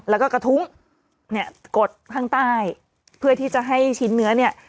แล้วก็กระทุ้งเนี่ยกดข้างใต้เพื่อที่จะให้ชิ้นเนื้อเนี่ย